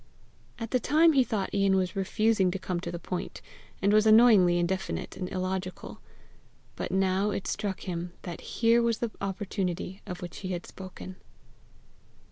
At the time he thought Ian was refusing to come to the point, and was annoyingly indefinite and illogical; but now it struck him that here was the opportunity of which he had spoken.